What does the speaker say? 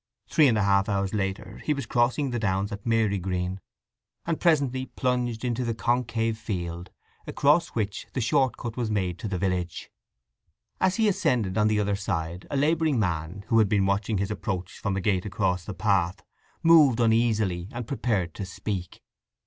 Three and a half hours later he was crossing the downs about Marygreen, and presently plunged into the concave field across which the short cut was made to the village. As he ascended on the other side a labouring man, who had been watching his approach from a gate across the path, moved uneasily, and prepared to speak.